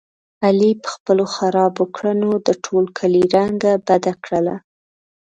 علي په خپلو خرابو کړنو د ټول کلي رنګه بده کړله.